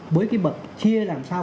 với cái bậc chia làm sao